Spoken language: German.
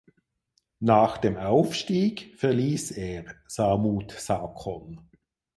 Nach dem Aufstieg verließ er Samut Sakon.